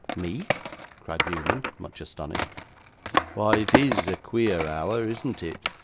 'Me!' cried Newman, much astonished. 'Why, it IS a queer hour, isn't it?